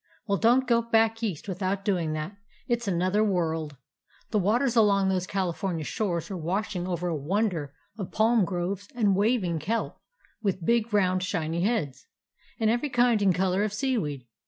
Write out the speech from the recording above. Well, don't go back East without doing that. It 's another world. The waters along these California shores are washing over a wonder of palm groves and waving kelp with big round shiny heads, and every kind and color of seaweed.